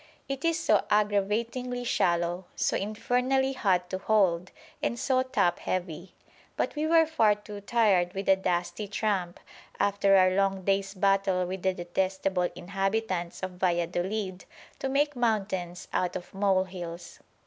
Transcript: It is so aggravatingly shallow, so infernally hot to hold, and so top heavy. But we were far too tired with the dusty tramp, after our long day's battle with the detestable inhabitants of Valladolid, to make mountains out of molehills.